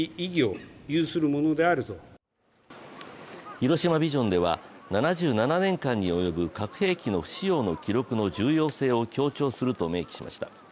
広島ビジョンでは、７７年間に及ぶ核兵器の不使用の記録の重要性を強調すると明記しました。